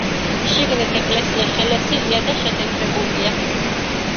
შიგნით ეკლესია შელესილია და შეთეთრებულია.